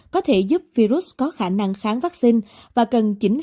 có thể giúp virus có khả năng kháng vaccine